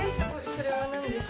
それは何ですか？